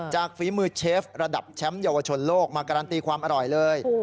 ฝีมือเชฟระดับแชมป์เยาวชนโลกมาการันตีความอร่อยเลย